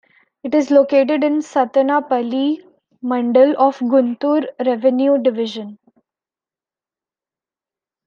It is located in Sattenapalle mandal of Guntur revenue division.